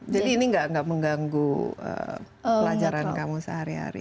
jadi ini tidak mengganggu pelajaran kamu sehari hari